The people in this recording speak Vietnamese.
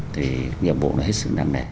thì nhiệm vụ nó hết sức năng này